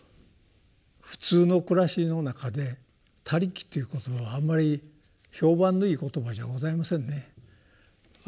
普通の暮らしの中で「他力」という言葉はあんまり評判のいい言葉じゃございませんね。